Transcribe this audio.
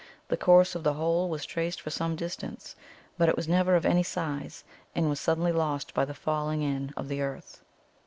The course of the hole was traced for some distance, but it was never of any size, and was suddenly lost by the falling in of the earth.